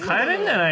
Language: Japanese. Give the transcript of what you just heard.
はい。